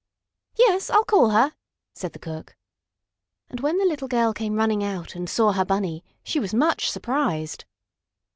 "Yes, I'll call her," said the cook. And when the little girl came running out and saw her Bunny, she was much surprised.